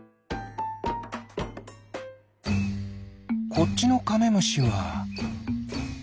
こっちのカメムシは。